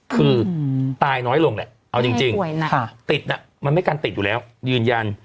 คือตายน้อยลงแหละเอาจริงติดมันไม่การติดอยู่แล้วยืนยัน